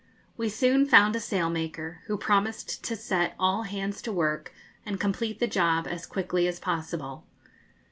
We soon found a sailmaker, who promised to set all hands to work and complete the job as quickly as possible.